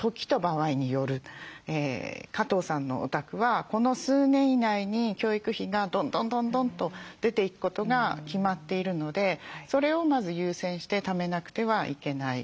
加藤さんのお宅はこの数年以内に教育費がどんどんどんどんと出ていくことが決まっているのでそれをまず優先してためなくてはいけない。